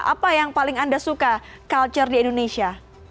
apa yang paling anda suka culture di indonesia